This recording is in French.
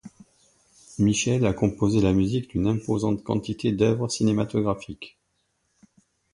Michel a composé la musique d’une imposante quantité d’œuvres cinématographiques.